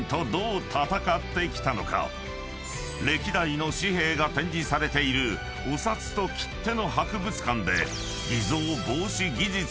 ［歴代の紙幣が展示されているお札と切手の博物館で］